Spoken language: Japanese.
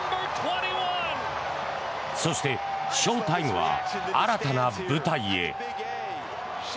そして、ショータイムは新たな舞台へ。